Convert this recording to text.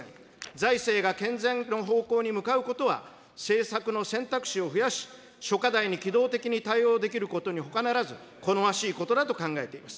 財政が健全化の方向に向かうことは、政策の選択肢を増やし、諸課題に機動的に対応できることにほかならず、好ましいことだと考えています。